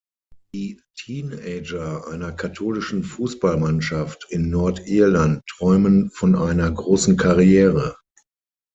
Die Teenager einer katholischen Fußballmannschaft in Nordirland träumen von einer großen Karriere.